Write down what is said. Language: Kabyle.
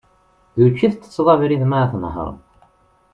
D učči i ttetteḍ abrid mi ara tnehhreḍ.